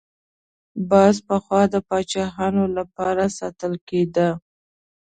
باز پخوا د پاچایانو لپاره ساتل کېده